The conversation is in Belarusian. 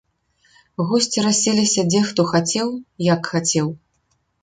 Госці расселіся дзе хто хацеў, як хацеў.